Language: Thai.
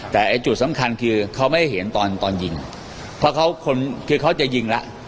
แต่ไอ้จุดสำคัญคือเขาไม่เห็นตอนตอนยิงเพราะเขาคนคือเขาจะยิงแล้ว